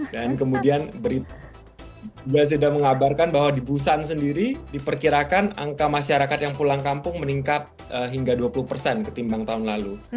dan kemudian berita juga sudah mengabarkan bahwa di busan sendiri diperkirakan angka masyarakat yang pulang kampung meningkat hingga dua puluh ketimbang tahun lalu